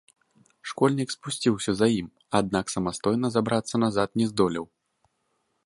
Школьнік спусціўся за ім, аднак самастойна забрацца назад не здолеў.